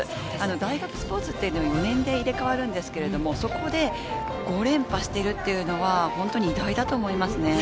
大学スポーツは４年で入れ替わるんですけれども、そこで５連覇しているというのは偉大だと思います。